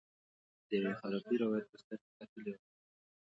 د یوه خرافي روایت په سترګه کتلي وای.